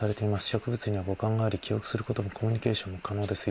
植物には五感があり記憶することもコミュニケーションも可能です